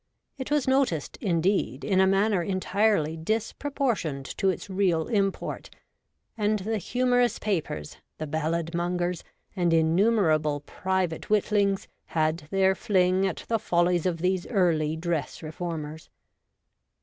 It was noticed, indeed, in a manner entirely disproportioned to its real import, and the humorous papers, the ballad mongers, and innumer able private witlings, had their fling at the follies of these early dress reformers.